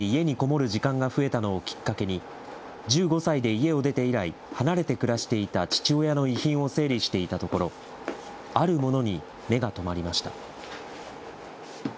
去年、コロナ禍で家にこもる時間が増えたのをきっかけに、１５歳で家を出て以来、離れて暮らしていた父親の遺品を整理していたところ、あるものに目がとまりました。